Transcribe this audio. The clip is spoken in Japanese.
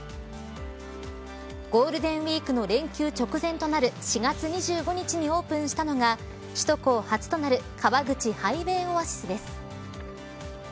ゴールデンウイークの連休直前となる４月２５日にオープンしたのが首都高初となる川口ハイウェイオアシスです。